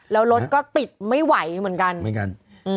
แล้วรถก็ติดไม่ไหวเหมือนกัน